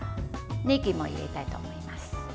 ねぎも入れたいと思います。